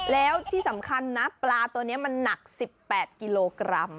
แล้วที่สำคัญนะปลาตัวนี้มันหนัก๑๘กิโลกรัม